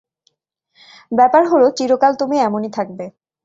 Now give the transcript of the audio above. ব্যাপার হলো, চিরকাল তুমি এমনই থাকবে।